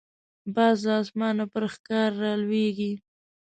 باز له اسمانه پر ښکار راولويږي